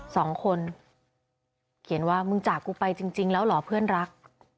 สองคนเขียนว่ามึงจากกูไปจริงแล้วเหรอเพื่อนรัก